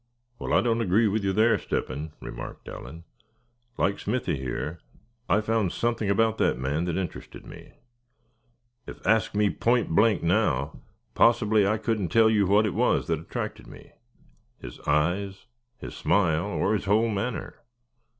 "Well, I don't agree with you there, Step hen," remarked Allan. "Like Smithy here, I found something about that man that interested me. If asked me point blank now, possibly I couldn't tell you what it was that attracted me his eyes, his smile, or his whole manner.